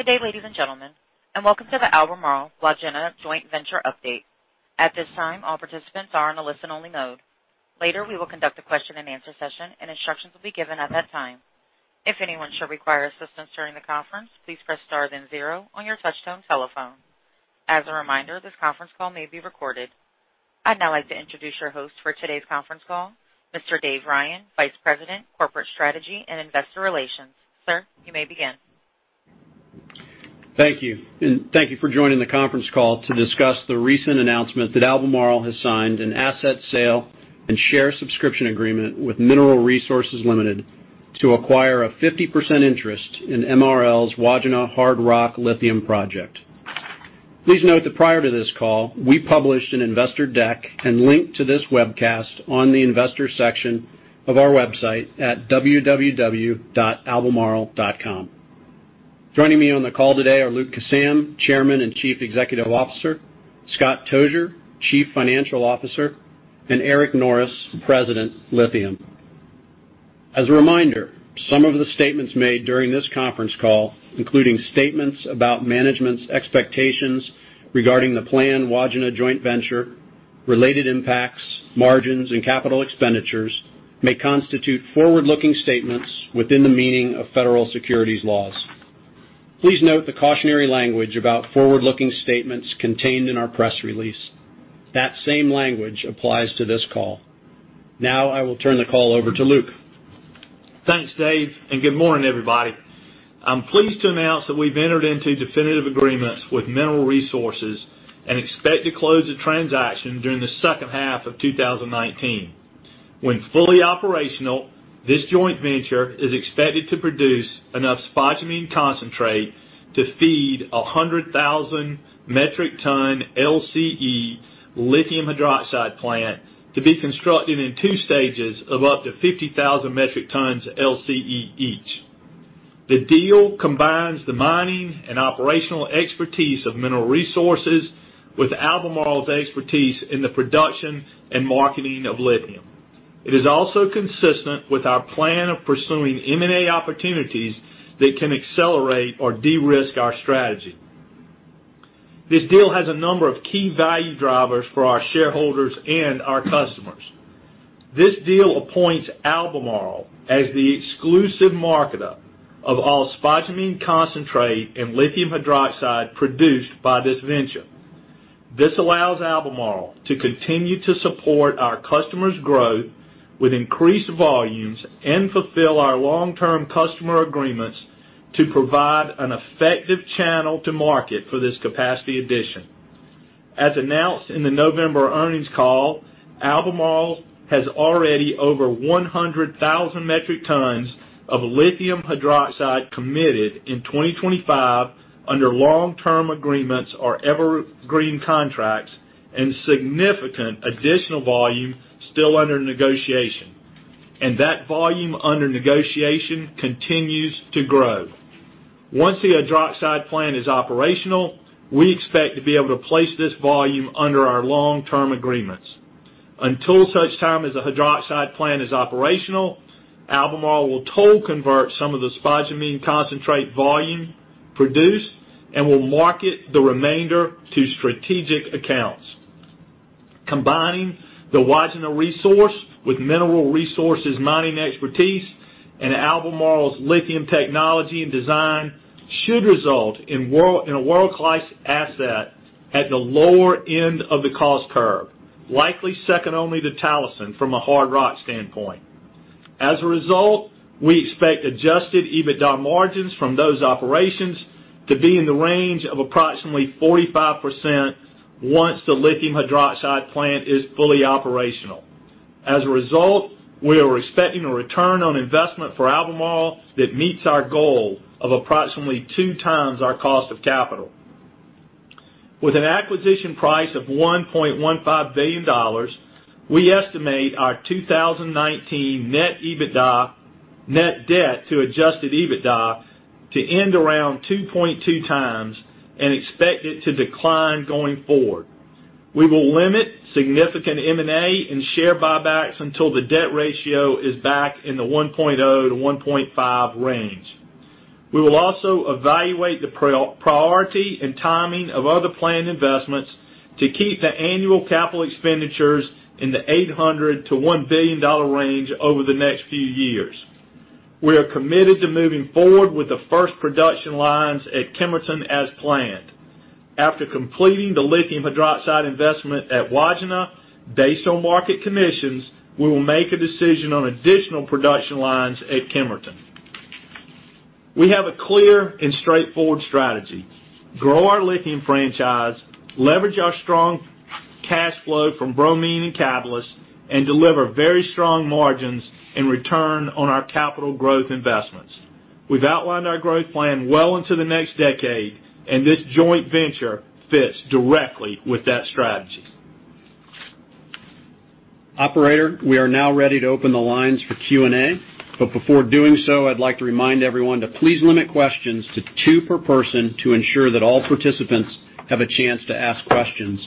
Good day, ladies and gentlemen, welcome to the Albemarle Wodgina Joint Venture update. At this time, all participants are in a listen-only mode. Later, we will conduct a question-and-answer session, instructions will be given at that time. If anyone should require assistance during the conference, please press star then zero on your touchtone telephone. As a reminder, this conference call may be recorded. I'd now like to introduce your host for today's conference call, Mr. Dave Ryan, Vice President, Corporate Strategy and Investor Relations. Sir, you may begin. Thank you. Thank you for joining the conference call to discuss the recent announcement that Albemarle has signed an asset sale and share subscription agreement with Mineral Resources Limited to acquire a 50% interest in MRL's Wodgina Hard Rock Lithium Project. Please note that prior to this call, we published an investor deck and link to this webcast on the investors section of our website at www.albemarle.com. Joining me on the call today are Luke Kissam, Chairman and Chief Executive Officer, Scott Tozier, Chief Financial Officer, and Eric Norris, President, Lithium. As a reminder, some of the statements made during this conference call, including statements about management's expectations regarding the planned Wodgina joint venture, related impacts, margins, and capital expenditures, may constitute forward-looking statements within the meaning of federal securities laws. Please note the cautionary language about forward-looking statements contained in our press release. That same language applies to this call. Now I will turn the call over to Luke. Thanks, Dave, good morning, everybody. I'm pleased to announce that we've entered into definitive agreements with Mineral Resources and expect to close the transaction during the H2 of 2019. When fully operational, this joint venture is expected to produce enough spodumene concentrate to feed 100,000 metric ton LCE lithium hydroxide plant to be constructed in two stages of up to 50,000 metric tons LCE each. The deal combines the mining and operational expertise of Mineral Resources with Albemarle's expertise in the production and marketing of lithium. It is also consistent with our plan of pursuing M&A opportunities that can accelerate or de-risk our strategy. This deal has a number of key value drivers for our shareholders and our customers. This deal appoints Albemarle as the exclusive marketer of all spodumene concentrate and lithium hydroxide produced by this venture. This allows Albemarle to continue to support our customers' growth with increased volumes and fulfill our long-term customer agreements to provide an effective channel to market for this capacity addition. As announced in the November earnings call, Albemarle has already over 100,000 metric tons of lithium hydroxide committed in 2025 under long-term agreements or evergreen contracts and significant additional volume still under negotiation. That volume under negotiation continues to grow. Once the hydroxide plant is operational, we expect to be able to place this volume under our long-term agreements. Until such time as the hydroxide plant is operational, Albemarle will toll convert some of the spodumene concentrate volume produced and will market the remainder to strategic accounts. Combining the Wodgina resource with Mineral Resources' mining expertise and Albemarle's lithium technology and design should result in a world-class asset at the lower end of the cost curve, likely second only to Talison from a hard rock standpoint. As a result, we expect adjusted EBITDA margins from those operations to be in the range of approximately 45% once the lithium hydroxide plant is fully operational. As a result, we are expecting a return on investment for Albemarle that meets our goal of approximately 2x our cost of capital. With an acquisition price of $1.15 billion, we estimate our 2019 net debt to adjusted EBITDA to end around 2.2x and expect it to decline going forward. We will limit significant M&A and share buybacks until the debt ratio is back in the 1.0-1.5 range. We will also evaluate the priority and timing of other planned investments to keep the annual capital expenditures in the $800 million-$1 billion range over the next few years. We are committed to moving forward with the first production lines at Kemerton as planned. After completing the lithium hydroxide investment at Wodgina, based on market conditions, we will make a decision on additional production lines at Kemerton. We have a clear and straightforward strategy, grow our lithium franchise, leverage our strong cash flow from bromine and catalyst, and deliver very strong margins and return on our capital growth investments. This joint venture fits directly with that strategy. Operator, we are now ready to open the lines for Q&A. Before doing so, I'd like to remind everyone to please limit questions to two per person to ensure that all participants have a chance to ask questions.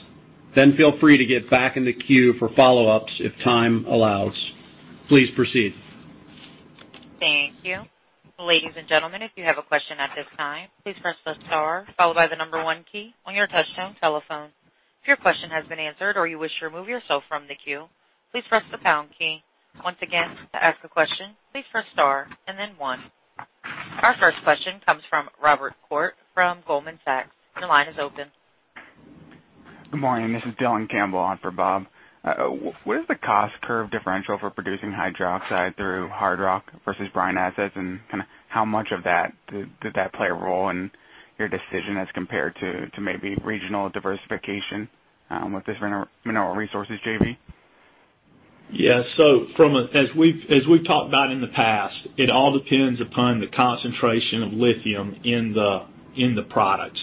Feel free to get back in the queue for follow-ups if time allows. Please proceed. Thank you. Ladies and gentlemen, if you have a question at this time, please press the star followed by the number one key on your touch-tone telephone. If your question has been answered or you wish to remove yourself from the queue, please press the pound key. Once again, to ask a question, please press star and then one. Our first question comes from Robert Koort from Goldman Sachs. Your line is open. Good morning. This is Dylan Campbell on for Bob. What is the cost curve differential for producing hydroxide through hard rock versus brine assets? How much of that, did that play a role in your decision as compared to maybe regional diversification, with this Mineral Resources JV? As we've talked about in the past, it all depends upon the concentration of lithium in the product.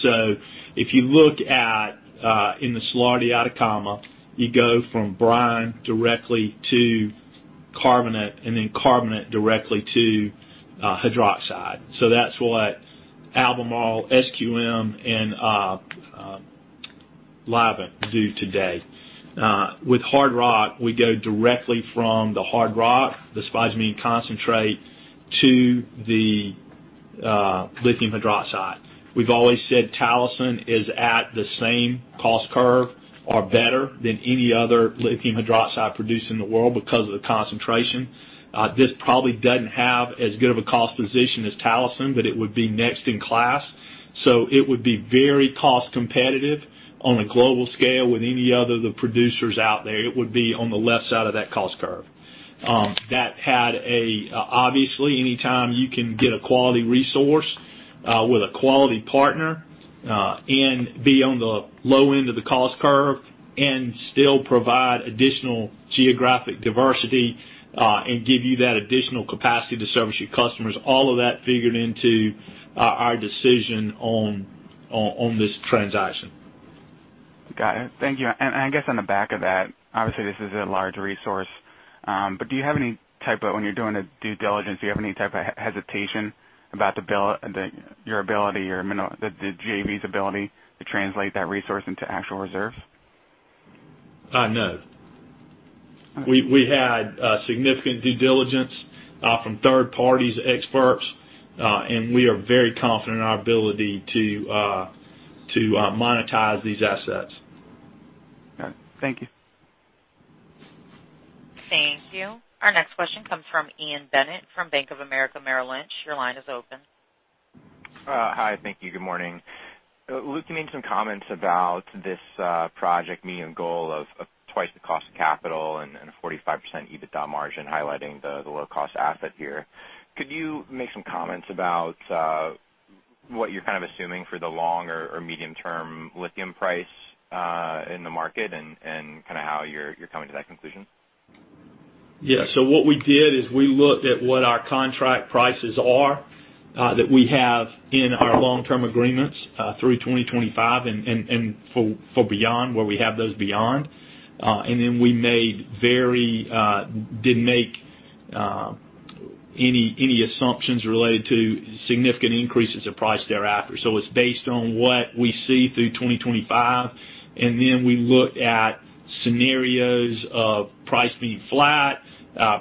If you look at, in the Salar de Atacama, you go from brine directly to carbonate, then carbonate directly to hydroxide. That's what Albemarle, SQM, and Livent do today. With hard rock, we go directly from the hard rock, the spodumene concentrate, to the lithium hydroxide. We've always said Talison is at the same cost curve or better than any other lithium hydroxide producer in the world because of the concentration. This probably doesn't have as good of a cost position as Talison, it would be next in class, it would be very cost competitive on a global scale with any other of the producers out there. It would be on the left side of that cost curve. Obviously, anytime you can get a quality resource, with a quality partner, be on the low end of the cost curve and still provide additional geographic diversity, give you that additional capacity to service your customers, all of that figured into our decision on this transaction. Got it. Thank you. I guess on the back of that, obviously, this is a large resource, but when you're doing a due diligence, do you have any type of hesitation about your ability or the JV's ability to translate that resource into actual reserves? No. Okay. We had significant due diligence, from third-parties, experts, we are very confident in our ability to monetize these assets. All right. Thank you. Thank you. Our next question comes from Ian Bennett from Bank of America Merrill Lynch. Your line is open. Hi. Thank you. Good morning. Luke, you made some comments about this project meeting a goal of twice the cost of capital and a 45% EBITDA margin, highlighting the low-cost asset here. Could you make some comments about what you're assuming for the long or medium-term lithium price in the market, and how you're coming to that conclusion? Yeah. What we did is we looked at what our contract prices are that we have in our long-term agreements, through 2025 and for beyond, where we have those beyond. We didn't make any assumptions related to significant increases of price thereafter. It's based on what we see through 2025, and then we looked at scenarios of price being flat,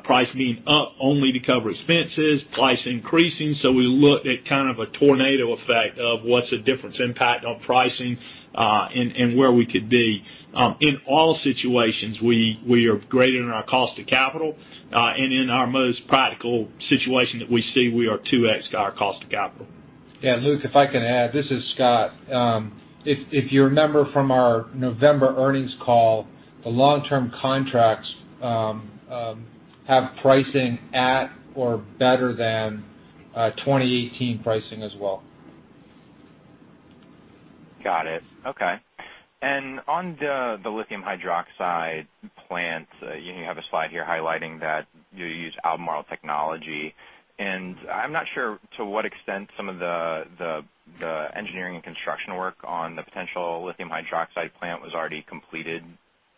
price being up only to cover expenses, price increasing. We looked at kind of a tornado effect of what's the difference impact on pricing, and where we could be. In all situations, we are greater than our cost of capital. In our most practical situation that we see, we are 2x our cost of capital. Yeah. Luke, if I can add, this is Scott. If you remember from our November earnings call, the long-term contracts have pricing at or better than 2018 pricing as well. Got it. Okay. On the lithium hydroxide plant, you have a slide here highlighting that you use Albemarle technology, and I'm not sure to what extent some of the engineering and construction work on the potential lithium hydroxide plant was already completed,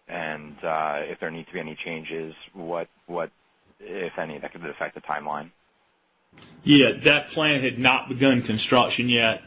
and if there need to be any changes, what, if any, that could affect the timeline? Yeah. That plant had not begun construction yet.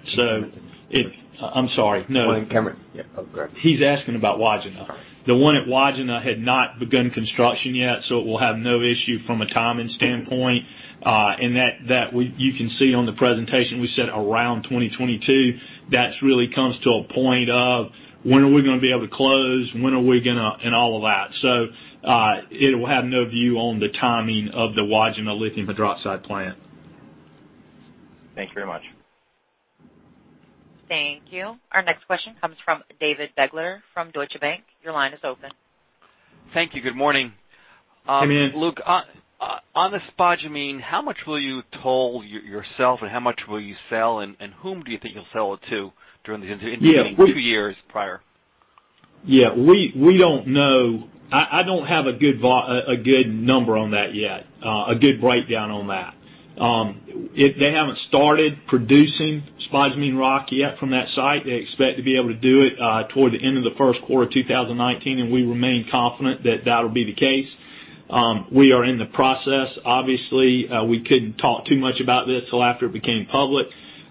I'm sorry. No. Go ahead, Luke. Yeah. Okay. He's asking about Wodgina. All right. The one at Wodgina had not begun construction yet, it will have no issue from a timing standpoint. That you can see on the presentation, we said around 2022. That really comes to a point of when are we going to be able to close, and all of that. It will have no view on the timing of the Wodgina lithium hydroxide plant. Thank you very much. Thank you. Our next question comes from David Begleiter from Deutsche Bank. Your line is open. Thank you. Good morning. Hey, man. Luke, on the spodumene, how much will you toll yourself and how much will you sell, whom do you think you'll sell it to during the intervening two years prior? Yeah. We don't know. I don't have a good number on that yet, a good breakdown on that. They haven't started producing spodumene rock yet from that site. They expect to be able to do it toward the end of the Q1 of 2019. We remain confident that that'll be the case. We are in the process. Obviously, we couldn't talk too much about this till after it became public,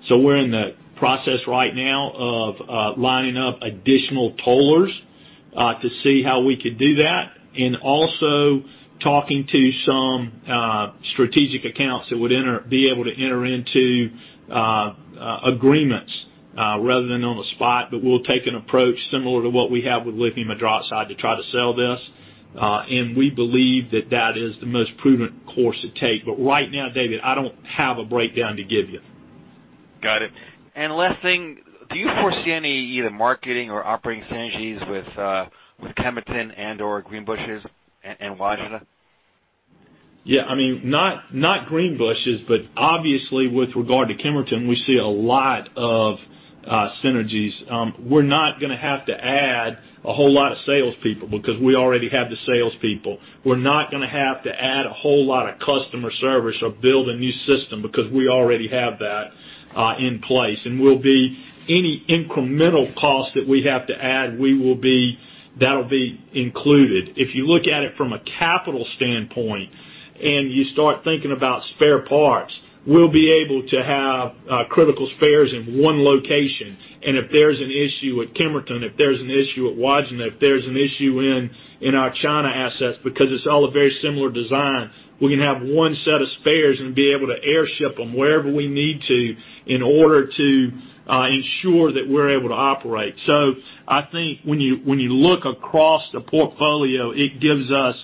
we're in the process right now of lining up additional tollers to see how we could do that, also talking to some strategic accounts that would be able to enter into agreements rather than on the spot. We'll take an approach similar to what we have with lithium hydroxide to try to sell this. We believe that that is the most prudent course to take. Right now, David, I don't have a breakdown to give you. Got it. Last thing, do you foresee any either marketing or operating synergies with Kemerton and/or Greenbushes and Wodgina? Yeah. Not Greenbushes, obviously with regard to Kemerton, we see a lot of synergies. We're not going to have to add a whole lot of salespeople because we already have the salespeople. We're not going to have to add a whole lot of customer service or build a new system because we already have that in place. Any incremental cost that we have to add, that'll be included. If you look at it from a capital standpoint and you start thinking about spare parts, we'll be able to have critical spares in one location. If there's an issue at Kemerton, if there's an issue at Wodgina, if there's an issue in our China assets, because it's all a very similar design, we can have one set of spares and be able to air ship them wherever we need to in order to ensure that we're able to operate. I think when you look across the portfolio, it gives us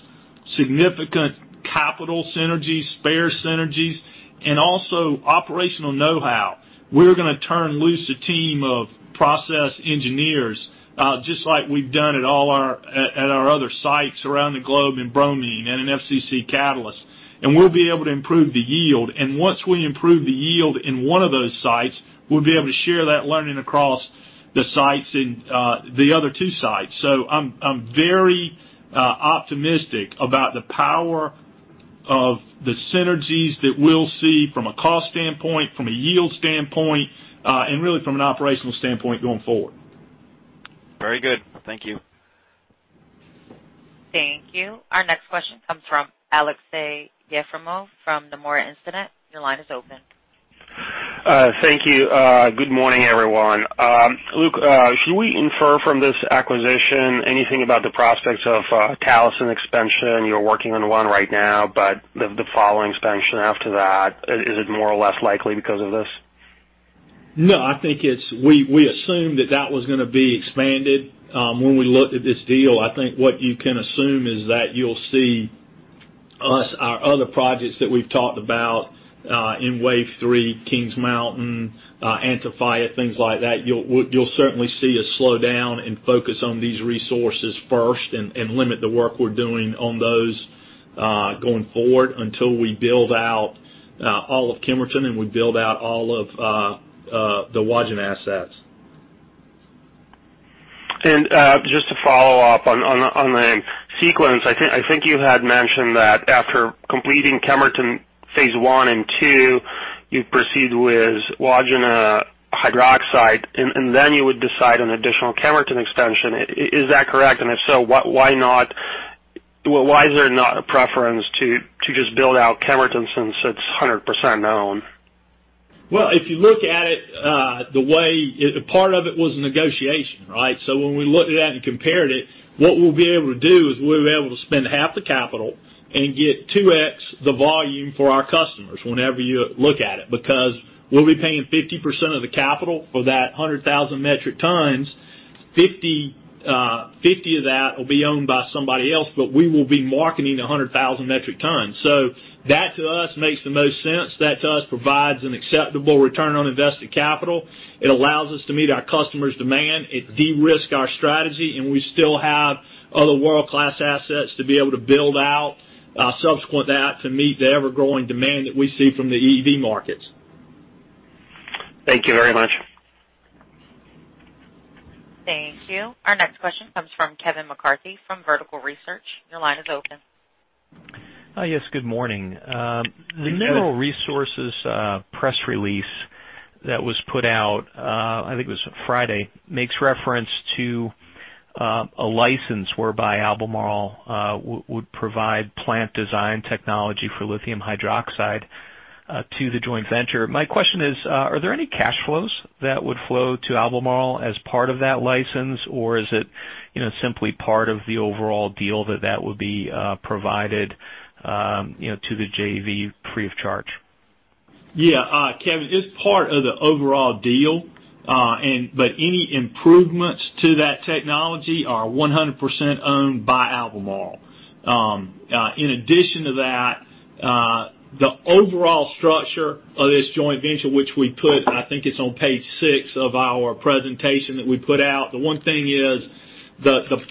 significant capital synergies, spare synergies, and also operational know-how. We're going to turn loose a team of process engineers just like we've done at our other sites around the globe in bromine and in FCC catalysts. We'll be able to improve the yield. Once we improve the yield in one of those sites, we'll be able to share that learning across the other two sites. I'm very optimistic about the power of the synergies that we'll see from a cost standpoint, from a yield standpoint, and really from an operational standpoint going forward. Very good. Thank you. Thank you. Our next question comes from Aleksey Yefremov from Nomura Instinet. Your line is open. Thank you. Good morning, everyone. Luke, can we infer from this acquisition anything about the prospects of a Talison expansion? You're working on one right now, the following expansion after that, is it more or less likely because of this? No. We assumed that that was going to be expanded when we looked at this deal. I think what you can assume is that you'll see our other projects that we've talked about in wave three, Kings Mountain, Antofalla, things like that. You'll certainly see a slowdown in focus on these resources first and limit the work we're doing on those going forward until we build out all of Kemerton and we build out all of the Wodgina assets. Just to follow-up on the sequence, I think you had mentioned that after completing Kemerton phase I and II, you'd proceed with Wodgina hydroxide, then you would decide on additional Kemerton expansion. Is that correct? If so, why is there not a preference to just build out Kemerton since it's 100% owned? Well, if you look at it, part of it was negotiation. When we looked at it and compared it, what we'll be able to do is we'll be able to spend half the capital and get 2x the volume for our customers whenever you look at it. We'll be paying 50% of the capital for that 100,000 metric tons, 50 of that will be owned by somebody else, but we will be marketing 100,000 metric tons. That to us makes the most sense. That to us provides an acceptable return on invested capital. It allows us to meet our customers' demand. It de-risks our strategy, and we still have other world-class assets to be able to build out subsequent to that to meet the ever-growing demand that we see from the EV markets. Thank you very much. Thank you. Our next question comes from Kevin McCarthy from Vertical Research. Your line is open. Yes. Good morning. Good morning. The Mineral Resources press release that was put out, I think it was Friday, makes reference to a license whereby Albemarle would provide plant design technology for lithium hydroxide to the joint venture. My question is, are there any cash flows that would flow to Albemarle as part of that license, or is it simply part of the overall deal that that would be provided to the JV free of charge? Kevin, it's part of the overall deal. Any improvements to that technology are 100% owned by Albemarle. In addition to that, the overall structure of this joint venture, which we put, I think it's on page six of our presentation that we put out. The one thing is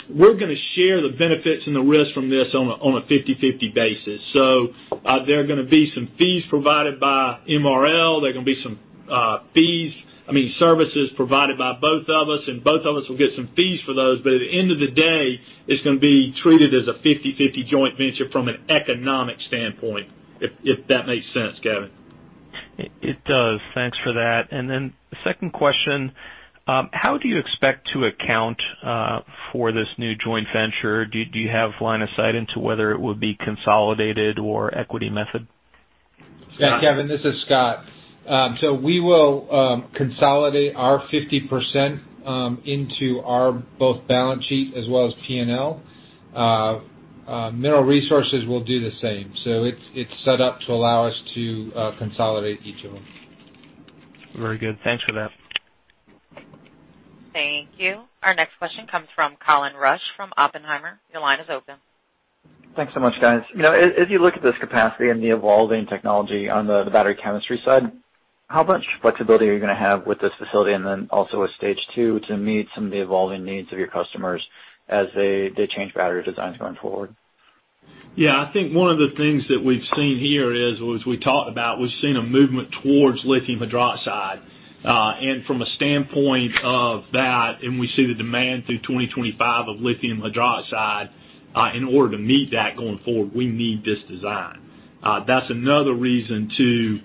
we're going to share the benefits and the risks from this on a 50/50 basis. There are going to be some fees provided by MRL. There are going to be some services provided by both of us, and both of us will get some fees for those. At the end of the day, it's going to be treated as a 50/50 joint venture from an economic standpoint. If that makes sense, Kevin. It does. Thanks for that. The second question, how do you expect to account for this new joint venture? Do you have line of sight into whether it would be consolidated or equity method? Yeah, Kevin, this is Scott. We will consolidate our 50% into our both balance sheet as well as P&L. Mineral Resources will do the same. It's set up to allow us to consolidate each of them. Very good. Thanks for that. Thank you. Our next question comes from Colin Rusch from Oppenheimer. Your line is open. Thanks so much, guys. As you look at this capacity and the evolving technology on the battery chemistry side, how much flexibility are you going to have with this facility and then also with Stage 2 to meet some of the evolving needs of your customers as they change battery designs going forward? I think one of the things that we've seen here is, as we talked about, we've seen a movement towards lithium hydroxide. From a standpoint of that, and we see the demand through 2025 of lithium hydroxide, in order to meet that going forward, we need this design. That's another reason to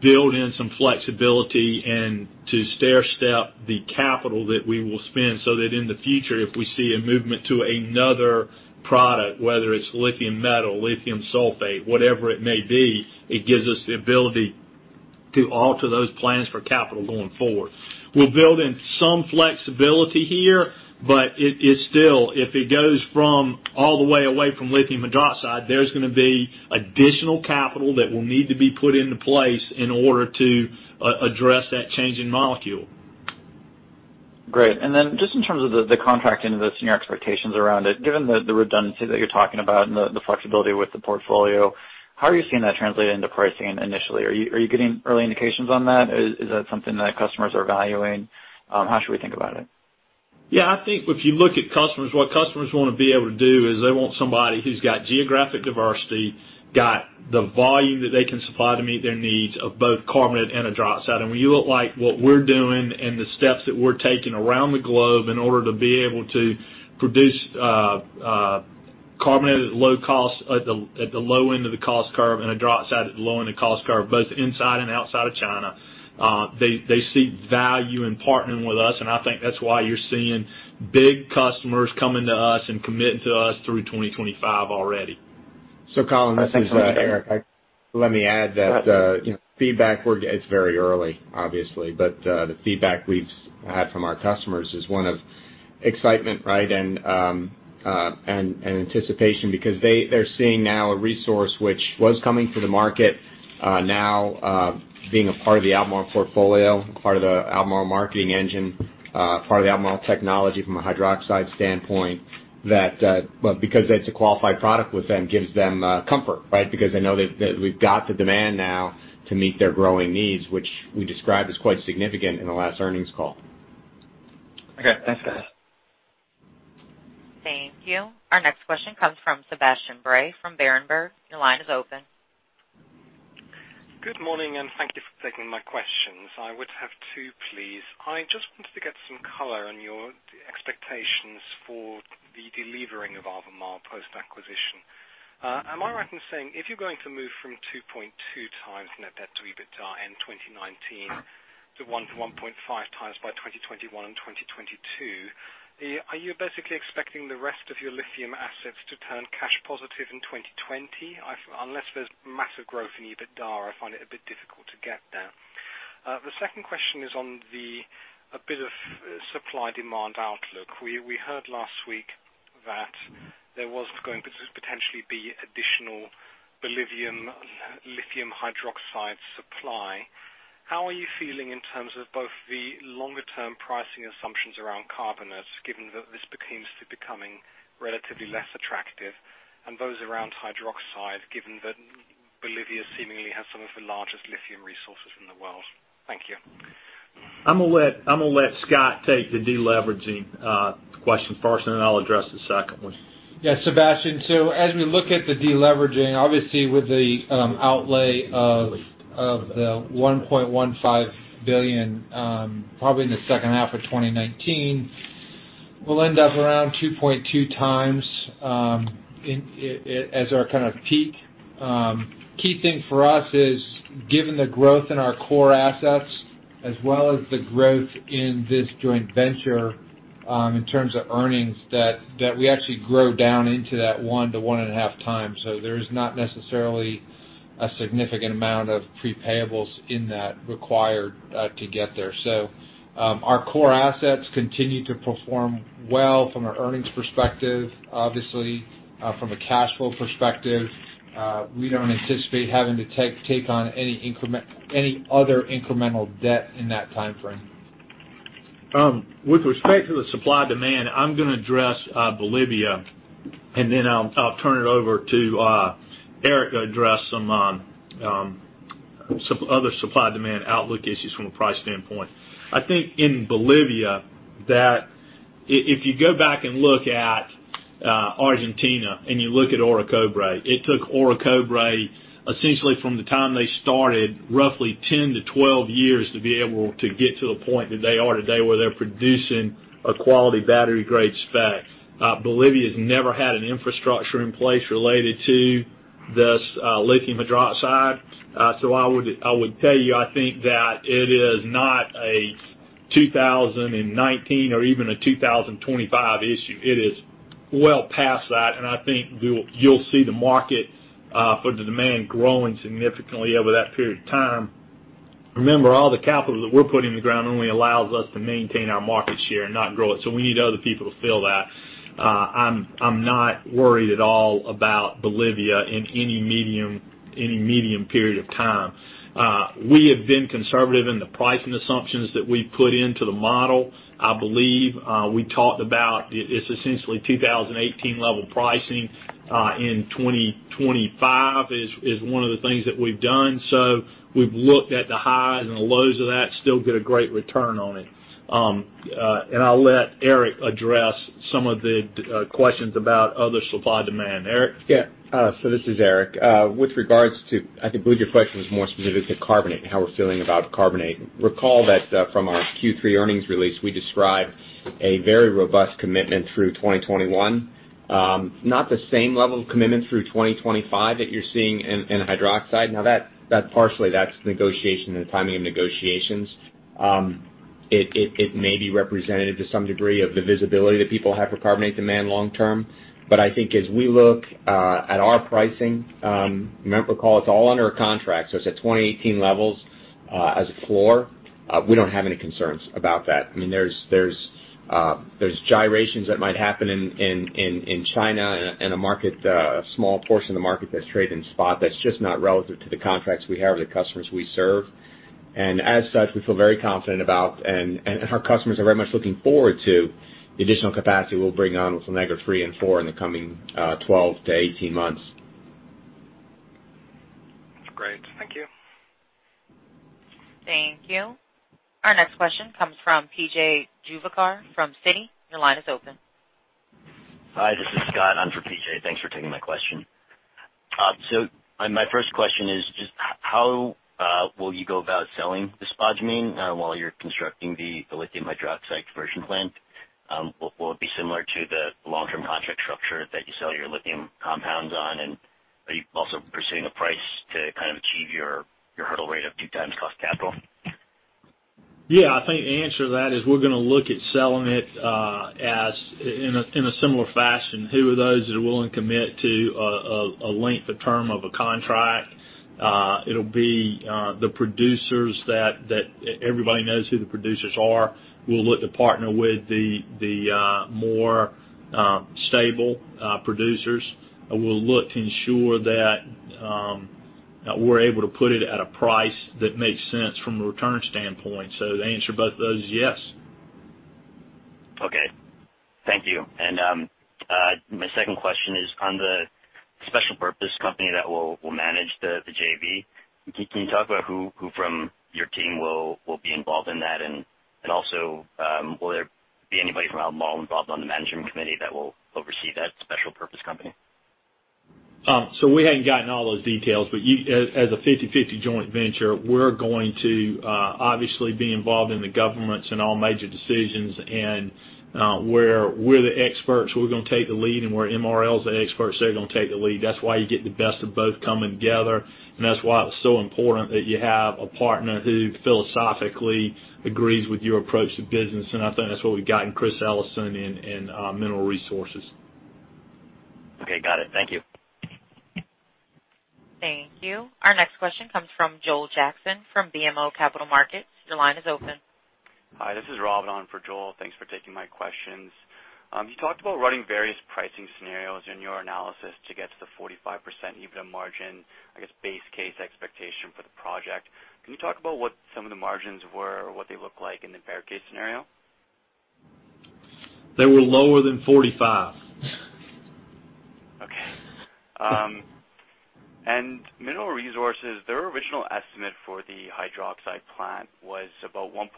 build in some flexibility and to stairstep the capital that we will spend, so that in the future, if we see a movement to another product, whether it's lithium metal, lithium sulfate, whatever it may be, it gives us the ability to alter those plans for capital going forward. We'll build in some flexibility here, it still, if it goes from all the way away from lithium hydroxide, there's going to be additional capital that will need to be put into place in order to address that change in molecule. Great. Just in terms of the contract and your expectations around it, given the redundancy that you're talking about and the flexibility with the portfolio, how are you seeing that translate into pricing initially? Are you getting early indications on that? Is that something that customers are valuing? How should we think about it? I think if you look at customers, what customers want to be able to do is they want somebody who's got geographic diversity, got the volume that they can supply to meet their needs of both carbonate and hydroxide. When you look like what we're doing and the steps that we're taking around the globe in order to be able to produce carbonate at low cost at the low end of the cost curve and a hydroxide at the low end of the cost curve, both inside and outside of China, they see value in partnering with us, and I think that's why you're seeing big customers coming to us and committing to us through 2025 already. Colin, this is Eric. Let me add that the feedback, it's very early, obviously. The feedback we've had from our customers is one of excitement and anticipation because they're seeing now a resource which was coming to the market now being a part of the Albemarle portfolio, part of the Albemarle marketing engine, part of the Albemarle technology from a hydroxide standpoint. It's a qualified product with them gives them comfort. They know that we've got the demand now to meet their growing needs, which we described as quite significant in the last earnings call. Okay. Thanks, guys. Thank you. Our next question comes from Sebastian Bray from Berenberg. Your line is open. Good morning. Thank you for taking my questions. I would have two, please. I just wanted to get some color on your expectations for the delevering of Albemarle post-acquisition. Am I right in saying if you're going to move from 2.2x net debt to EBITDA in 2019 to 1x-1.5x by 2021 and 2022, are you basically expecting the rest of your lithium assets to turn cash positive in 2020? Unless there's massive growth in EBITDA, I find it a bit difficult to get there. The second question is on the bit of supply-demand outlook. We heard last week that there was going to potentially be additional Bolivian lithium hydroxide supply. How are you feeling in terms of both the longer-term pricing assumptions around carbonates, given that this seems to be becoming relatively less attractive, and those around hydroxide, given that Bolivia seemingly has some of the largest lithium resources in the world? Thank you. I'm going to let Scott take the deleveraging question first, and then I'll address the second one. Sebastian. As we look at the deleveraging, obviously, with the outlay of the $1.15 billion, probably in the H2 of 2019, we'll end up around 2.2x as our kind of peak. Key thing for us is, given the growth in our core assets as well as the growth in this joint venture in terms of earnings, that we actually grow down into that 1x-1.5x. There is not necessarily a significant amount of prepayables in that required to get there. Our core assets continue to perform well from an earnings perspective. Obviously, from a cash flow perspective, we do not anticipate having to take on any other incremental debt in that timeframe. With respect to the supply-demand, I'm going to address Bolivia, and then I'll turn it over to Eric to address some other supply-demand outlook issues from a price standpoint. I think in Bolivia that if you go back and look at Argentina and you look at Orocobre, it took Orocobre, essentially from the time they started, roughly 10-12 years to be able to get to the point that they're today where they're producing a quality battery-grade spec. Bolivia's never had an infrastructure in place related to this lithium hydroxide. I would tell you, I think that it is not a 2019 or even a 2025 issue. Well past that. I think you'll see the market for the demand growing significantly over that period of time. Remember, all the capital that we're putting in the ground only allows us to maintain our market share and not grow it. We need other people to fill that. I'm not worried at all about Bolivia in any medium period of time. We have been conservative in the pricing assumptions that we've put into the model. I believe we talked about it's essentially 2018 level pricing in 2025, is one of the things that we've done. We've looked at the highs and the lows of that, still get a great return on it. I'll let Eric address some of the questions about other supply-demand. Eric? This is Eric. With regards to, I believe your question was more specific to carbonate, and how we're feeling about carbonate. Recall that from our Q3 earnings release, we described a very robust commitment through 2021. Not the same level of commitment through 2025 that you're seeing in hydroxide. Partially, that's negotiation and the timing of negotiations. It may be representative to some degree of the visibility that people have for carbonate demand long-term. I think as we look at our pricing, recall it's all under a contract. It's at 2018 levels as a floor. We don't have any concerns about that. There's gyrations that might happen in China and a small portion of the market that's traded in spot that's just not relevant to the contracts we have or the customers we serve. As such, we feel very confident about, and our customers are very much looking forward to the additional capacity we'll bring on with La Negra III and IV in the coming 12-18 months. Great. Thank you. Thank you. Our next question comes from P.J. Juvekar from Citi. Your line is open. Hi, this is Scott. I'm for P.J. Thanks for taking my question. My first question is just how will you go about selling the spodumene while you're constructing the lithium hydroxide conversion plant? Will it be similar to the long-term contract structure that you sell your lithium compounds on? Are you also pursuing a price to kind of achieve your hurdle rate of 2x cost capital? Yeah, I think the answer to that is we're going to look at selling it in a similar fashion. Who are those that are willing to commit to a length of term of a contract? It'll be the producers that everybody knows who the producers are. We'll look to partner with the more stable producers, and we'll look to ensure that we're able to put it at a price that makes sense from a return standpoint. The answer to both of those is yes. Okay. Thank you. My second question is on the special purpose company that will manage the JV. Can you talk about who from your team will be involved in that, and also will there be anybody from Albemarle involved on the management committee that will oversee that special purpose company? As a 50-50 joint venture, we haven't gotten all those details, but we're going to obviously be involved in the governance and all major decisions. Where we're the experts, we're going to take the lead, and where MRL's the expert, they're going to take the lead. That's why you get the best of both coming together, and that's why it's so important that you have a partner who philosophically agrees with your approach to business. I think that's what we've got in Chris Ellison in Mineral Resources. Okay, got it. Thank you. Thank you. Our next question comes from Joel Jackson from BMO Capital Markets. Your line is open. Hi, this is Robin on for Joel. Thanks for taking my questions. You talked about running various pricing scenarios in your analysis to get to the 45% EBITDA margin, I guess, base case expectation for the project. Can you talk about what some of the margins were or what they look like in the bear case scenario? They were lower than 45. Mineral Resources, their original estimate for the hydroxide plant was about $1.2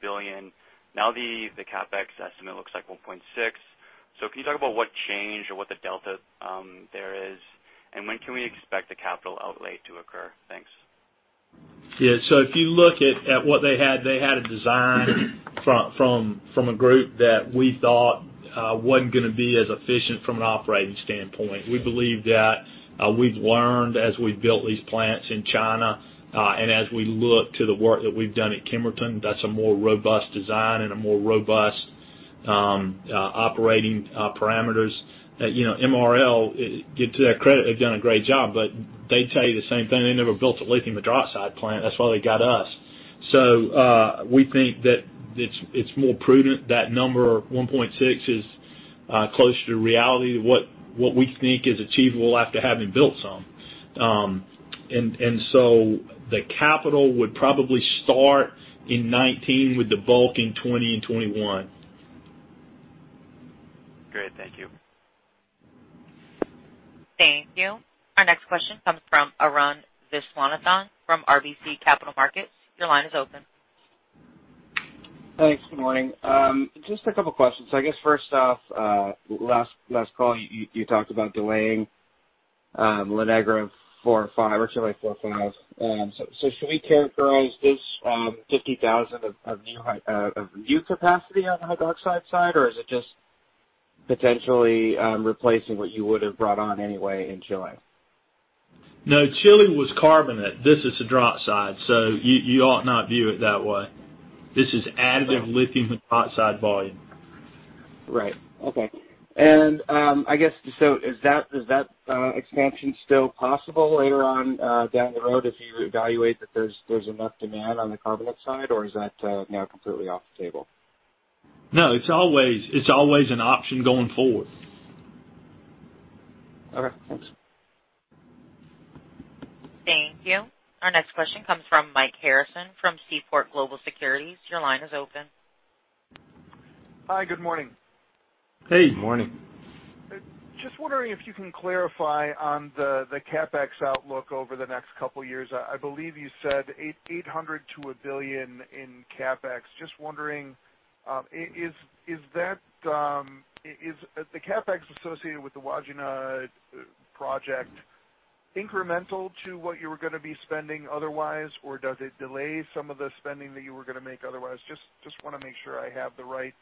billion. Now the CapEx estimate looks like $1.6 billion. Can you talk about what changed or what the delta there is? When can we expect the capital outlay to occur? Thanks. Yeah. If you look at what they had, they had a design from a group that we thought wasn't going to be as efficient from an operating standpoint. We believe that we've learned as we've built these plants in China, and as we look to the work that we've done at Kemerton, that's a more robust design and a more robust operating parameters. MRL, give to their credit, have done a great job, but they'd tell you the same thing. They never built a lithium hydroxide plant, that's why they got us. We think that it's more prudent. That number, $1.6 billion, is closer to reality to what we think is achievable after having built some. The capital would probably start in 2019 with the bulk in 2020 and 2021. Great. Thank you. Thank you. Our next question comes from Arun Viswanathan from RBC Capital Markets. Your line is open. Thanks. Good morning. Just a couple of questions. I guess first off, last call you talked about delaying La Negra III and IV. Should we characterize this 50,000 of new capacity on the hydroxide side, or is it just potentially replacing what you would have brought on anyway in July? No, Chile was carbonate. This is the hydroxide. You ought not view it that way. This is additive lithium hydroxide volume. Right. Okay. I guess, is that expansion still possible later on down the road if you evaluate that there's enough demand on the carbonate side, or is that now completely off the table? No, it's always an option going forward. Okay, thanks. Thank you. Our next question comes from Mike Harrison from Seaport Global Securities. Your line is open. Hi, good morning. Hey. Good morning. Just wondering if you can clarify on the CapEx outlook over the next couple of years. I believe you said $800 million-$1 billion in CapEx. Just wondering, is the CapEx associated with the Wodgina project incremental to what you were going to be spending otherwise, or does it delay some of the spending that you were going to make otherwise? Just want to make sure I have the right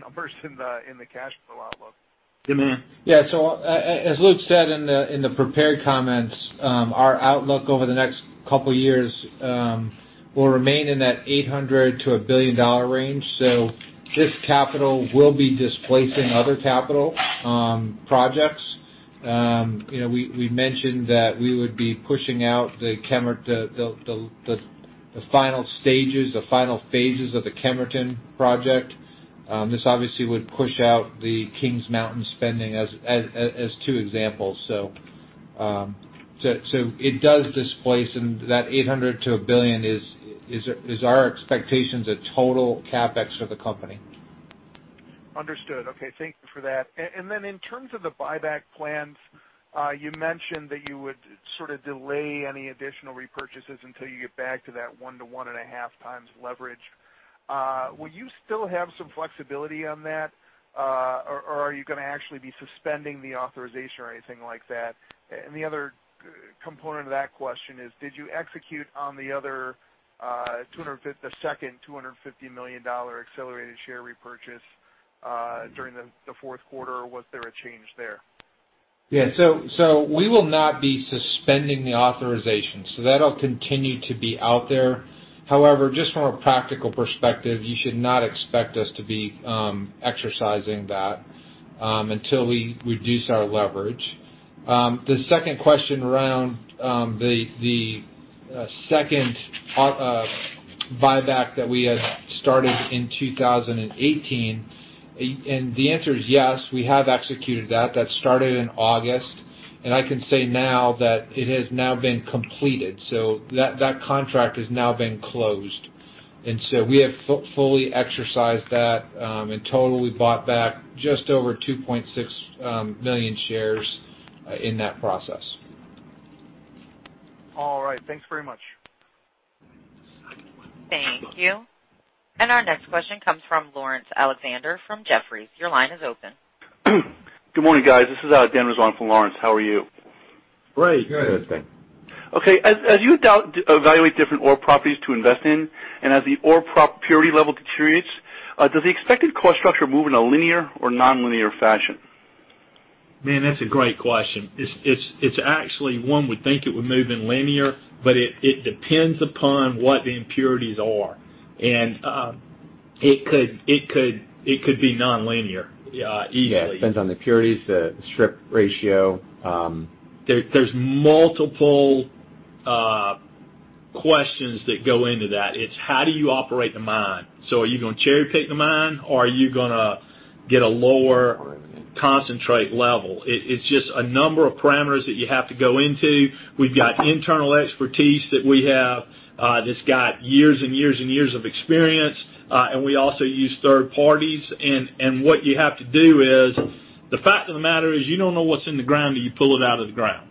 numbers in the cash flow outlook. Yeah. Yeah. As Luke said in the prepared comments, our outlook over the next couple of years will remain in that $800 million-$1 billion range. This capital will be displacing other capital projects. We mentioned that we would be pushing out the final stages, the final phases of the Kemerton project. This obviously would push out the Kings Mountain spending as two examples. It does displace, and that $800 million-$1 billion is our expectations of total CapEx for the company. Understood. Okay. Thank you for that. In terms of the buyback plans, you mentioned that you would sort of delay any additional repurchases until you get back to that 1x-1.5x Leverage. Will you still have some flexibility on that? Are you going to actually be suspending the authorization or anything like that? The other component of that question is, did you execute on the second $250 million accelerated share repurchase during the Q4, or was there a change there? Yeah. We will not be suspending the authorization. That'll continue to be out there. However, just from a practical perspective, you should not expect us to be exercising that until we reduce our leverage. The second question around the second buyback that we had started in 2018, the answer is yes, we have executed that. That started in August, I can say now that it has now been completed. That contract has now been closed. We have fully exercised that. In total, we bought back just over 2.6 million shares in that process. All right. Thanks very much. Thank you. Our next question comes from Laurence Alexander from Jefferies. Your line is open. Good morning, guys. This is Dan Rozon from Laurence. How are you? Great. Good. Thanks. Okay. As you evaluate different ore properties to invest in, as the ore purity level deteriorates, does the expected cost structure move in a linear or non-linear fashion? Man, that's a great question. It's actually one would think it would move in linear, but it depends upon what the impurities are. It could be non-linear easily. Yeah. It depends on the impurities, the strip ratio. There's multiple questions that go into that. It's how do you operate the mine? Are you going to cherry-pick the mine, or are you going to get a lower concentrate level? It's just a number of parameters that you have to go into. We've got internal expertise that we have that's got years and years of experience. We also use third parties. What you have to do is, the fact of the matter is you don't know what's in the ground till you pull it out of the ground.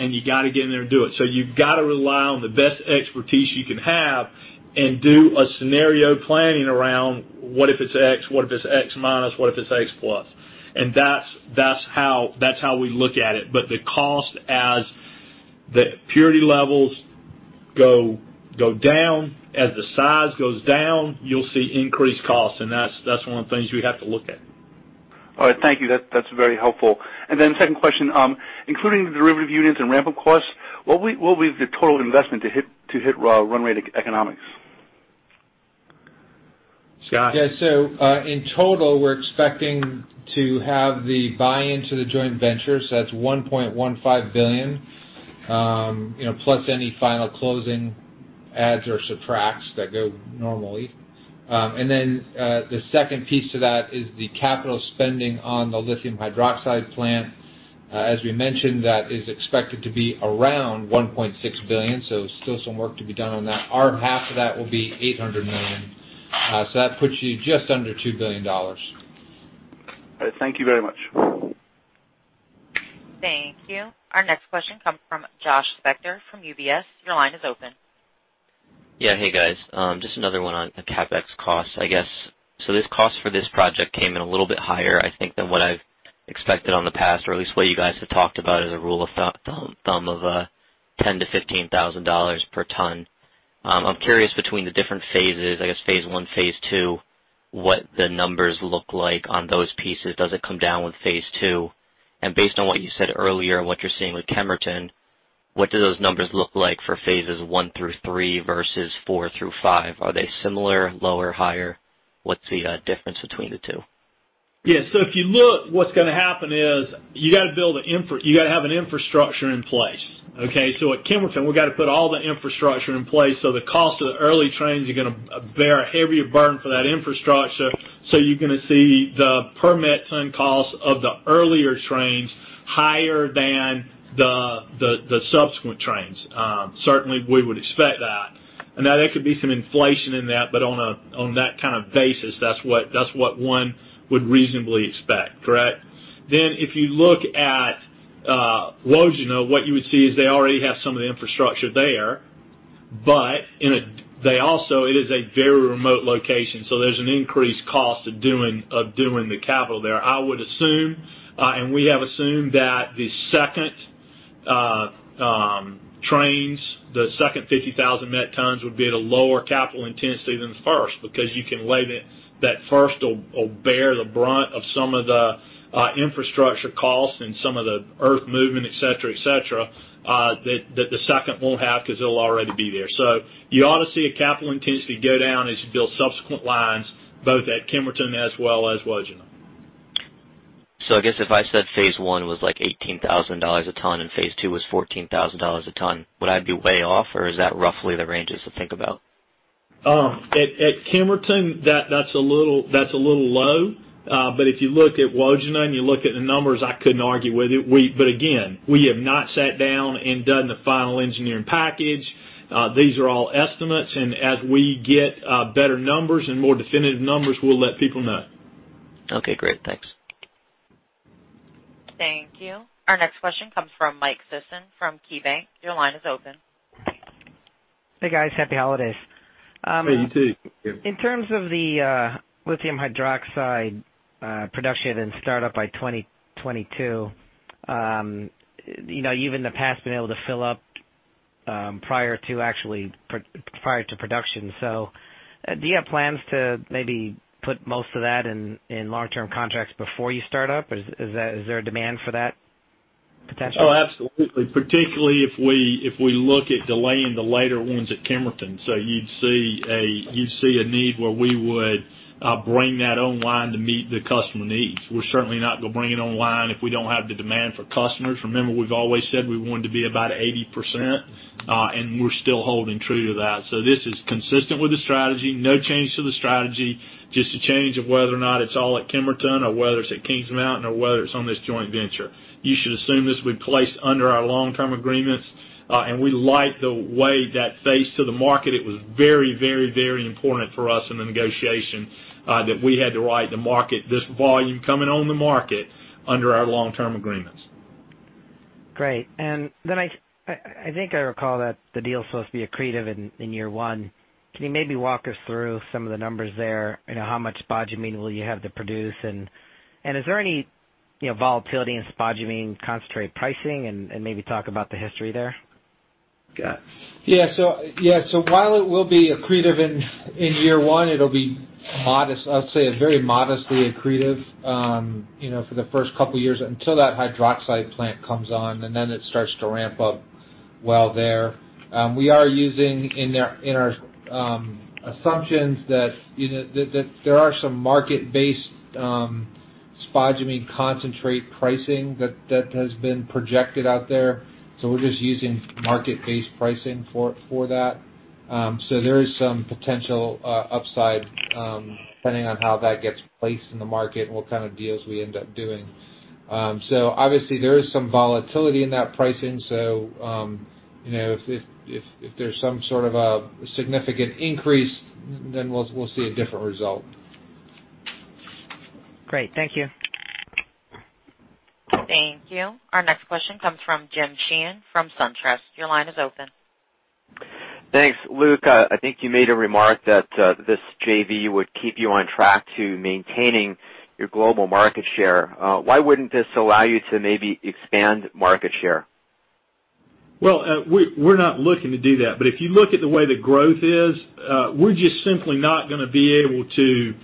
You got to get in there and do it. You've got to rely on the best expertise you can have and do a scenario planning around what if it's X, what if it's X-, what if it's X+. That's how we look at it. The cost as the purity levels go down, as the size goes down, you'll see increased cost, that's one of the things we have to look at. All right. Thank you. That's very helpful. Second question, including the derivative units and ramp-up costs, what will be the total investment to hit run rate economics? Scott? Yeah. In total, we're expecting to have the buy-in to the joint venture, that's $1.15 billion, plus any final closing adds or subtracts that go normally. The second piece to that is the capital spending on the lithium hydroxide plant. As we mentioned, that is expected to be around $1.6 billion, still some work to be done on that. Our half of that will be $800 million. That puts you just under $2 billion. All right. Thank you very much. Thank you. Our next question comes from Joshua Spector from UBS. Your line is open. Hey, guys. Just another one on the CapEx cost, I guess. This cost for this project came in a little bit higher, I think, than what I've expected on the past, or at least what you guys have talked about as a rule of thumb of $10,000-$15,000 per ton. I'm curious between the different phases, I guess phase I, phase II, what the numbers look like on those pieces. Does it come down with phase II? Based on what you said earlier and what you're seeing with Kemerton, what do those numbers look like for phases I through III versus IV through V? Are they similar, lower, higher? What's the difference between the two? If you look, what's going to happen is you got to have an infrastructure in place. Okay? At Kemerton, we've got to put all the infrastructure in place, the cost of the early trains are going to bear a heavier burden for that infrastructure. You're going to see the permitting costs of the earlier trains higher than the subsequent trains. Certainly, we would expect that. Now there could be some inflation in that, but on that kind of basis, that's what one would reasonably expect. Correct? If you look at Wodgina, what you would see is they already have some of the infrastructure there, but it is a very remote location, there's an increased cost of doing the capital there. I would assume, we have assumed that the second trains, the second 50,000 met tons would be at a lower capital intensity than the first, because you can lay that first or bear the brunt of some of the infrastructure costs and some of the earth movement, et cetera, that the second won't have because it'll already be there. You ought to see a capital intensity go down as you build subsequent lines, both at Kemerton as well as Wodgina. I guess if I said phase I was like $18,000 a ton and phase II was $14,000 a ton, would I be way off, or is that roughly the ranges to think about? At Kemerton, that's a little low. If you look at Wodgina and you look at the numbers, I couldn't argue with you. Again, we have not sat down and done the final engineering package. These are all estimates, as we get better numbers and more definitive numbers, we'll let people know. Okay, great. Thanks. Thank you. Our next question comes from Mike Sison from KeyBanc Capital Markets. Your line is open. Hey, guys. Happy holidays. Hey, you too. In terms of the lithium hydroxide production and startup by 2022, you've in the past been able to fill up prior to production. Do you have plans to maybe put most of that in long-term contracts before you start up? Is there a demand for that potentially? Oh, absolutely. Particularly if we look at delaying the later ones at Kemerton. You'd see a need where we would bring that online to meet the customer needs. We're certainly not going to bring it online if we don't have the demand for customers. Remember, we've always said we want to be about 80%, and we're still holding true to that. This is consistent with the strategy. No change to the strategy, just a change of whether or not it's all at Kemerton or whether it's at Kings Mountain or whether it's on this joint venture. You should assume this would place under our long-term agreements, and we like the way that face to the market. It was very important for us in the negotiation, that we had to ride the market, this volume coming on the market under our long-term agreements. Great. I think I recall that the deal's supposed to be accretive in year one. Can you maybe walk us through some of the numbers there? How much spodumene will you have to produce? Is there any volatility in spodumene concentrate pricing? Maybe talk about the history there? Yeah. While it will be accretive in year one, it'll be modest. I would say very modestly accretive for the first couple of years until that hydroxide plant comes on, and then it starts to ramp up well there. We are using in our assumptions that there are some market-based spodumene concentrate pricing that has been projected out there. We're just using market-based pricing for that. There is some potential upside depending on how that gets placed in the market and what kind of deals we end up doing. Obviously there is some volatility in that pricing. If there's some sort of a significant increase, then we'll see a different result. Great. Thank you. Thank you. Our next question comes from Jim Sheehan from SunTrust. Your line is open. Thanks. Luke, I think you made a remark that this JV would keep you on track to maintaining your global market share. Why wouldn't this allow you to maybe expand market share? Well, if you look at the way the growth is, we're just simply not going to be able to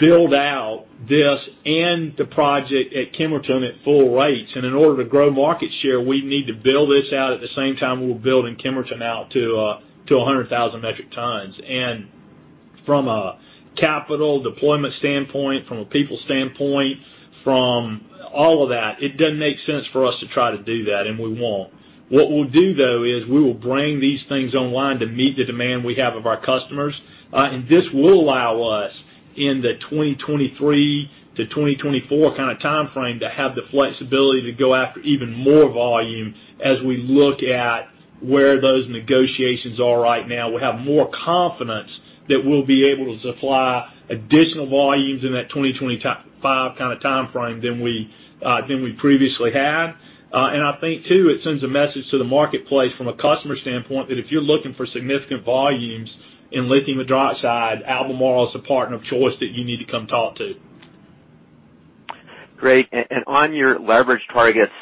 build out this and the project at Kemerton at full rates. In order to grow market share, we need to build this out at the same time we're building Kemerton out to 100,000 metric tons. From a capital deployment standpoint, from a people standpoint, from all of that, it doesn't make sense for us to try to do that, and we won't. What we'll do, though, is we will bring these things online to meet the demand we have of our customers. This will allow us in the 2023-2024 kind of timeframe to have the flexibility to go after even more volume as we look at where those negotiations are right now. We'll have more confidence that we'll be able to supply additional volumes in that 2025 kind of timeframe than we previously had. I think too, it sends a message to the marketplace from a customer standpoint that if you're looking for significant volumes in lithium hydroxide, Albemarle is a partner of choice that you need to come talk to. Great. On your leverage targets,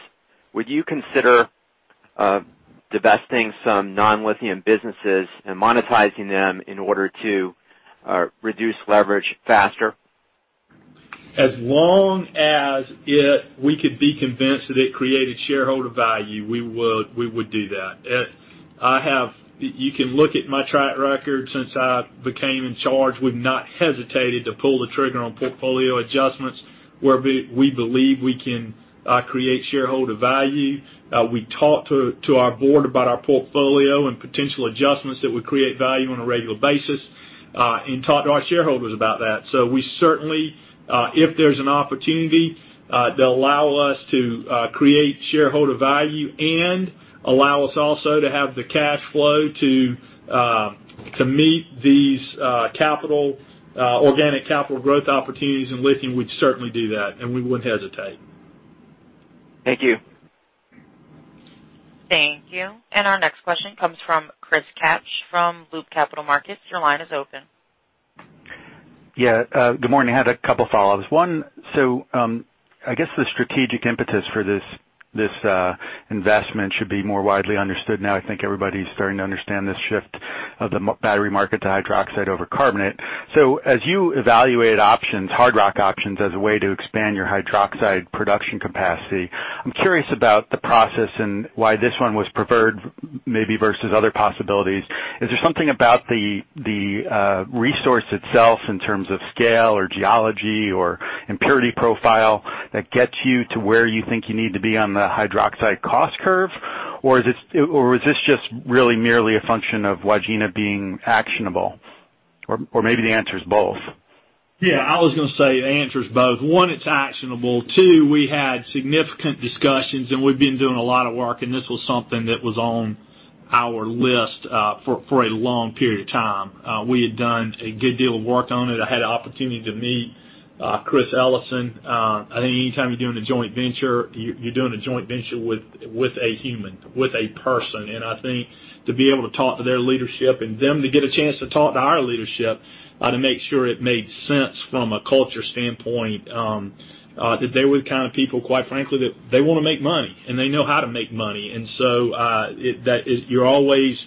would you consider divesting some non-lithium businesses and monetizing them in order to reduce leverage faster? As long as we could be convinced that it created shareholder value, we would do that. You can look at my track record since I became in charge. We've not hesitated to pull the trigger on portfolio adjustments where we believe we can create shareholder value. We talk to our board about our portfolio and potential adjustments that would create value on a regular basis, and talk to our shareholders about that. We certainly, if there's an opportunity that allow us to create shareholder value and allow us also to have the cash flow to meet these organic capital growth opportunities in lithium, we'd certainly do that, and we wouldn't hesitate. Thank you. Thank you. Our next question comes from Chris Kapsch from Loop Capital Markets. Your line is open. Yeah, good morning. I had a couple follow-ups. One, I guess the strategic impetus for this investment should be more widely understood now. I think everybody's starting to understand this shift of the battery market to hydroxide over carbonate. As you evaluate options, hard rock options, as a way to expand your hydroxide production capacity, I'm curious about the process and why this one was preferred, maybe versus other possibilities. Is there something about the resource itself in terms of scale or geology or impurity profile that gets you to where you think you need to be on the hydroxide cost curve? Or is this just really merely a function of Wodgina being actionable? Or maybe the answer is both. Yeah, I was going to say the answer is both. One, it's actionable. Two, we had significant discussions, we've been doing a lot of work, this was something that was on our list for a long period of time. We had done a good deal of work on it. I had an opportunity to meet Chris Ellison. I think anytime you're doing a joint venture, you're doing a joint venture with a human, with a person. I think to be able to talk to their leadership and them to get a chance to talk to our leadership to make sure it made sense from a culture standpoint, that they were the kind of people, quite frankly, that they want to make money, and they know how to make money. You're always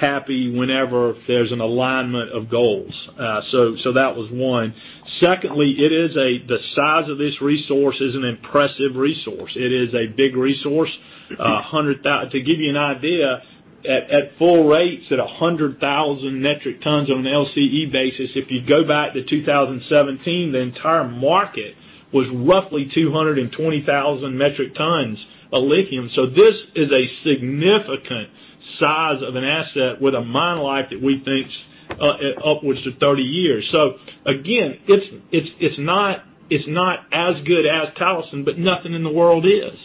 happy whenever there's an alignment of goals. That was one. Secondly, the size of this resource is an impressive resource. It is a big resource. To give you an idea, at full rates, at 100,000 metric tons on an LCE basis, if you go back to 2017, the entire market was roughly 220,000 metric tons of lithium. This is a significant size of an asset with a mine life that we think upwards to 30 years. Again, it's not as good as Talison, but nothing in the world is.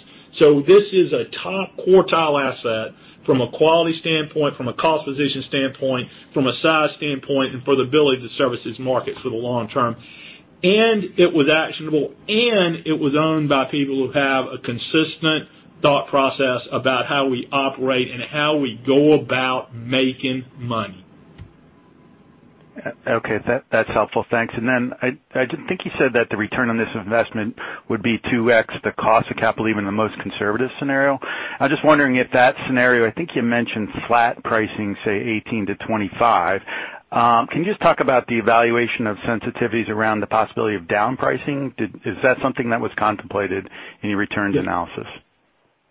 This is a top quartile asset from a quality standpoint, from a cost position standpoint, from a size standpoint, and for the ability to service this market for the long term. It was actionable, it was owned by people who have a consistent thought process about how we operate and how we go about making money. Okay. That's helpful. Thanks. I think you said that the return on this investment would be 2x the cost of capital, even in the most conservative scenario. I'm just wondering if that scenario, I think you mentioned flat pricing, say $18-$25. Can you just talk about the evaluation of sensitivities around the possibility of down pricing? Is that something that was contemplated in your returns analysis?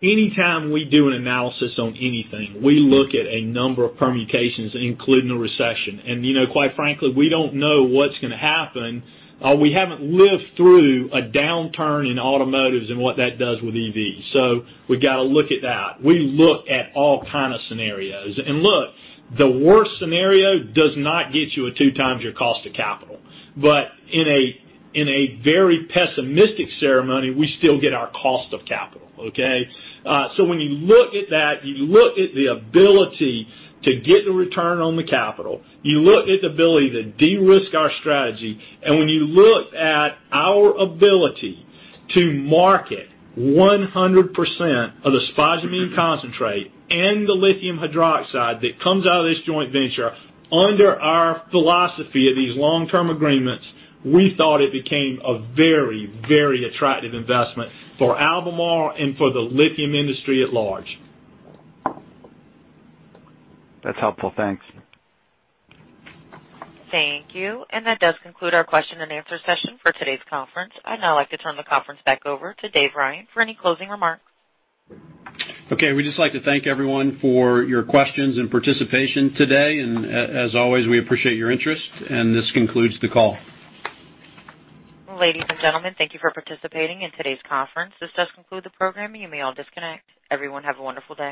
Anytime we do an analysis on anything, we look at a number of permutations, including a recession. Quite frankly, we don't know what's going to happen. We haven't lived through a downturn in automotives and what that does with EVs. We've got to look at that. We look at all kind of scenarios. Look, the worst scenario does not get you a 2x your cost of capital. But in a very pessimistic scenario, we still get our cost of capital, okay. When you look at that, you look at the ability to get a return on the capital, you look at the ability to de-risk our strategy, and when you look at our ability to market 100% of the spodumene concentrate and the lithium hydroxide that comes out of this joint venture under our philosophy of these long-term agreements, we thought it became a very attractive investment for Albemarle and for the lithium industry at large. That's helpful. Thanks. Thank you. That does conclude our question-and-answer session for today's conference. I'd now like to turn the conference back over to Dave Ryan for any closing remarks. Okay. We'd just like to thank everyone for your questions and participation today. As always, we appreciate your interest. This concludes the call. Ladies and gentlemen, thank you for participating in today's conference. This does conclude the program. You may all disconnect. Everyone have a wonderful day.